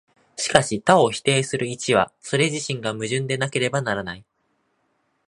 しかし多を否定する一は、それ自身が矛盾でなければならない。